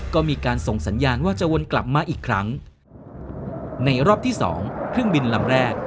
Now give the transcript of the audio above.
ก็มีการส่งสัญญาณว่าจะวนกลับมาอีกครั้งในรอบที่สองเครื่องบินลำแรก